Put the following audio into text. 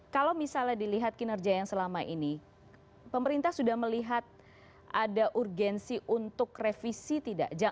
kalau misalnya dilihat kinerja yang selama ini pemerintah sudah melihat ada urgensi untuk revisi tidak